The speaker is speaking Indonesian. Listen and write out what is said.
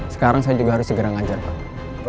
sekarang saya juga harus segera ngajar pak